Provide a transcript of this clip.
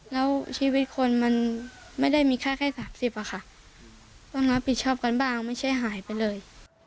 แล้วชีวิตคนมันไม่ได้มีค่าแค่๓๐อะค่ะต้องรับผิดชอบกันบ้างไม่ใช่หายไปเลย